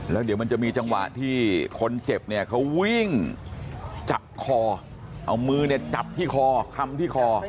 แล้วเดี๋ยวมันจะมีจังหวะที่คนเจ็บเนี่ยเขาวิ่งจับคอเอามือเนี่ยจับที่คอคำที่คอ